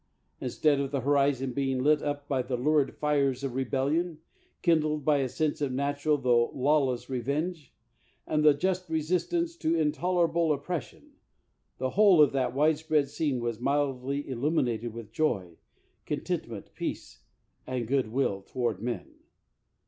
Instead of the horizon being lit up with the lurid fires of rebellion, kindled by a sense of natural tho lawless revenge, and the just resistance to intolerable oppression, the whole of that widespread scene was mildly illu minated with joy, contentment, peace, and good will toward men.